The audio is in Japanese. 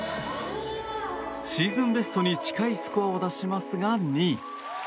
シーズンベストに近いスコアを出しますが、２位。